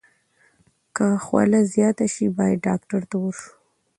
که خوله زیاته شي، باید ډاکټر ته ورشو.